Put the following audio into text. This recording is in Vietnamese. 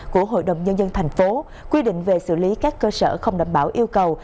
của hội đồng nhân dân tp quy định về xử lý các cơ sở không đảm bảo yêu cầu